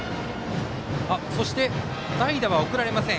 そして代打は送られません。